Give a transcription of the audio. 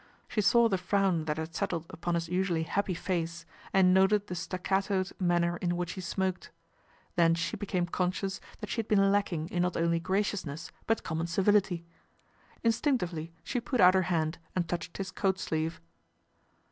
She saw the frown that had settled upon his usually happy face, and noted the staccatoed manner in which he smoked. Then she became conscious that she had been lacking in not only graciousness but common civility. Instinctively *he put out her hand and touched his coat sleeve.